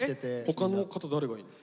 他の方誰がいるの？